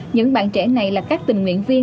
những bạn trẻ này là các tình nguyện viên